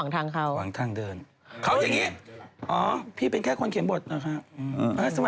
ไม่เหมือนกับไม่เหมือนนี่เนาะ